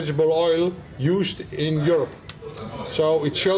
jadi ini menunjukkan pentingnya